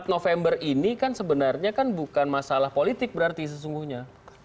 empat november ini kan sebenarnya bukan masalah politik berarti sesungguhnya